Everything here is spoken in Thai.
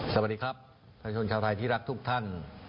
สวัสดีครับประชาชนชาวไทยที่รักทุกท่าน